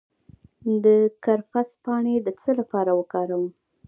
د کرفس پاڼې د څه لپاره وکاروم؟